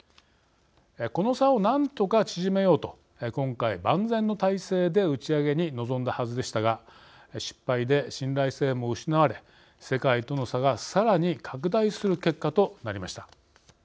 この差を何とか縮めようと今回、万全の態勢で打ち上げに臨んだはずでしたが失敗で信頼性も失われ世界との差がさらに拡大する結果となりました。